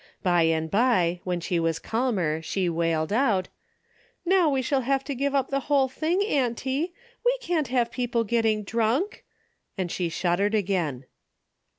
By and by, when she was calmer she wailed out, "Now we shall have to give up the whole thing, auntie. We can't have people getting drunk," and she shuddered again.